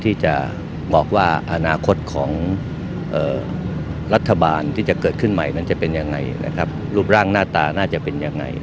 ถ้าคะแนนของเราเป็นที่พอใจก็จะรู้ผลเร็ว